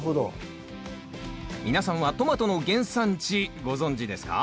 皆さんはトマトの原産地ご存じですか？